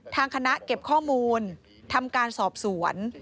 ทางคณะเก็บข้อมูลทำการสอบสวน